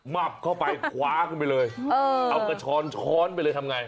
มับเข้าไปคว้าขึ้นไปเลยเอากระชอนช้อนไปเลยทำไง